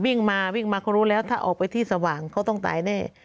วิ่งมาวิ่งมาเขารู้แล้วถ้าออกไปที่สว่างเขาต้องตายแน่